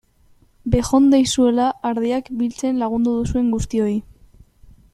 Bejondeizuela ardiak biltzen lagundu duzuen guztioi!